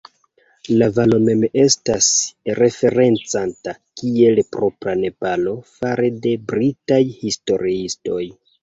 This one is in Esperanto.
La valo mem estas referencata kiel "Propra Nepalo" fare de britaj historiistoj.